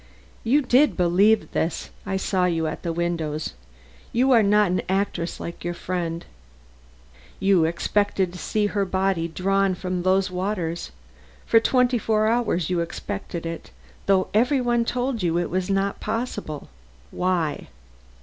You did believe this I saw you at the window. You are not an actress like your friend you expected to see her body drawn from those waters. For twenty four hours you expected it, though every one told you it was impossible. Why?"